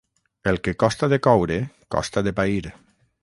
El que costa de coure costa de pair.